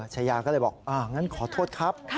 เชยาก็เลยบอกอย่างงั้นขอโทษครับ